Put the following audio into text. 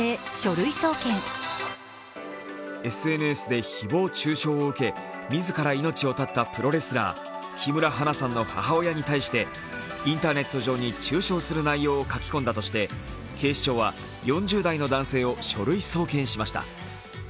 ＳＮＳで誹謗中傷を受け自ら命を絶ったプロレスラー、木村花さんの母親に対して、インターネット上に中傷する内容を書き込んだとして警視庁は４０代の男性を書類送検しました。